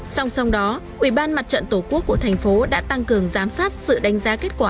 song song đó ubnd tổ quốc của thành phố đã tăng cường giám sát sự đánh giá kết quả